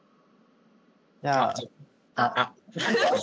じゃあ。あ。